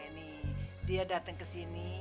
nih dia datang kesini